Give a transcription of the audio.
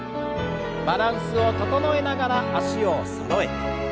バランスを整えながら脚をそろえて。